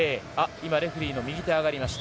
今、レフェリーの右手が上がりました。